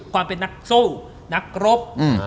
ความเป็นนักสู้นักรบ